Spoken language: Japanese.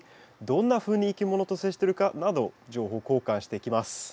どんなふうにいきものと接してるかなど情報交換していきます。